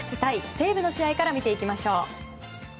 西武の試合を見ていきましょう。